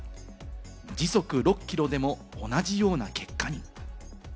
時速６キロでも同じような結果に。